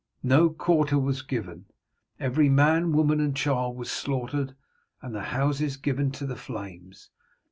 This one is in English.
No quarter was given. Every man, woman, and child was slaughtered, and the houses given to the flames.